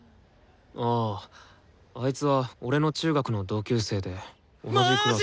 あああいつは俺の中学の同級生で同じクラスの。